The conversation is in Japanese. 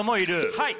はい。